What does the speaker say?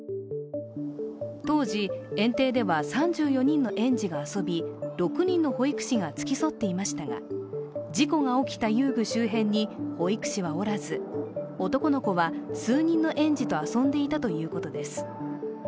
当時、園庭では３４人の園児が遊び、６人の保育士が付き添っていましたが、事故が起きた遊具周辺に保育士はおらず、男の子は数人の園児と遊んでいたということです。